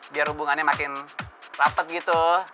biar hubungannya makin rapat gitu